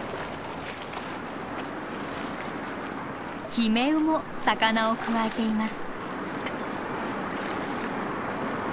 ヒメウも魚をくわえています。